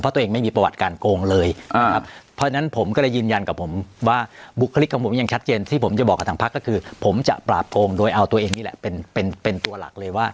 เพราะตัวเองไม่มีประวัติการโกงเลยนะครับเพราะฉะนั้นผมก็เลยยืนยันกับผมว่าบุคลิกของผมยังชัดเจนที่ผมจะบอกกับทางพักก็คือผมจะปราบโกงโดยเอาตัวเองนี่แหละเป็นเป็นตัวหลักเลยว่า